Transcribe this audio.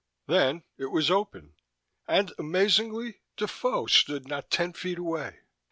Then, it was open. And amazingly, Defoe stood not ten feet away.